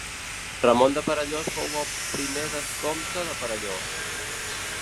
Ramon de Perellós fou el primer vescomte de Perellós.